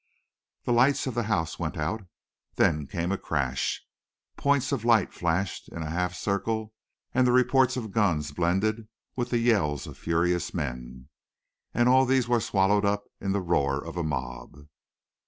The lights of the house went out, then came a crash. Points of light flashed in a half circle and the reports of guns blended with the yells of furious men, and all these were swallowed up in the roar of a mob.